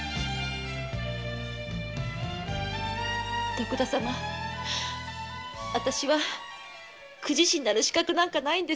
徳田様あたしは公事師になる資格なんかないんです。